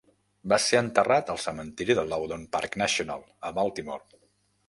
Va ser enterrat al cementeri del Loudon Park National a Baltimore.